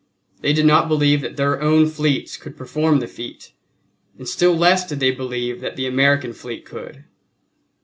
They did not believe that their own fleets could perform the feat, and still less did they believe that the American fleet could.